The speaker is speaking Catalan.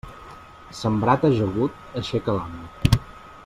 Sembrat ajagut aixeca l'amo.